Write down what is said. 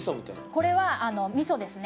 これはみそですね。